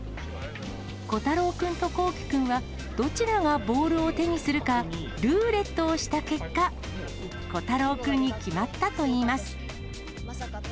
虎太郎君とこうき君は、どちらがボールを手にするか、ルーレットをした結果、虎太郎君に決まったといいます。